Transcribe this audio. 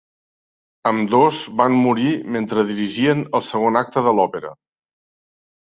Ambdós van morir mentre dirigien el segon acte de l'òpera.